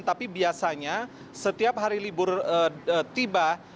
tapi biasanya setiap hari libur tiba